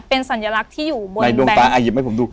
เป็นสัญลักษณ์ที่อยู่บน